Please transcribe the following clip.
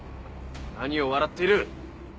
何を笑ってる？